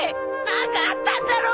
何かあったんだろ！